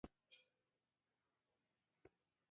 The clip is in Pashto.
بزګر د پسرلي دوست دی